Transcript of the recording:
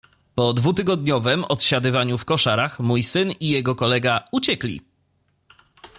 "Po dwutygodniowem odsiadywaniu w koszarach mój syn i jego kolega uciekli."